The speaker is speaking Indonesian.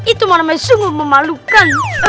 itu maknanya sungguh memalukan